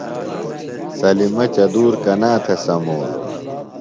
سلمی چدۡور کنا تھےۡ سمولو؟